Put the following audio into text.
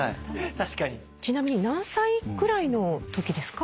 ちなみに何歳ぐらいのときですか？